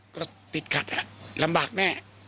ก็ติดขัดอ่ะลำบากแน่